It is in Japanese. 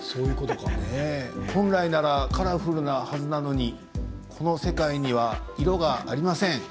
本来ならカラフルなはずなのにこの世界には色がありません。